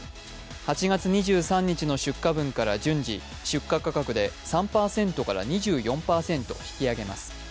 ８月２３日の出荷分から順次、出荷価格で３％から２４％引き上げます。